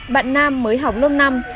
bạn nam mới học năm năm